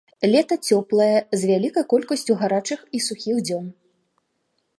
Лета цёплае, з вялікай колькасцю гарачых і сухіх дзён.